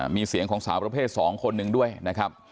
มีเสียงของสาวประเภทสองคนนะครับ